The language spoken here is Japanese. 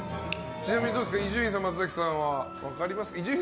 ちなみに伊集院さん松崎さんは分かりますか？